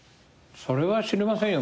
それは知りませんよ